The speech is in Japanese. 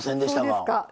そうですか。